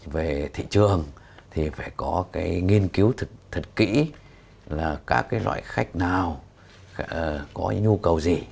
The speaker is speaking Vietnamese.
về thị trường thì phải có cái nghiên cứu thật kỹ là các cái loại khách nào có nhu cầu gì